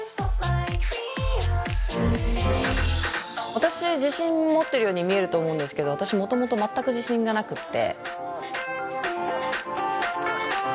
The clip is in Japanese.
私自信持ってるように見えると思うんですけど私もともと全く自信がなくって。